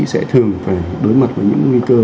sẽ thường phải đối mặt với những nguy cơ